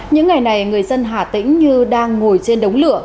những ngày này người dân hà tĩnh như đang ngồi trên đống lửa